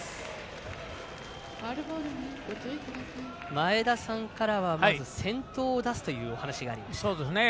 前田さんからは、まず先頭を出すというお話がありました。